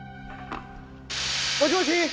もしもし？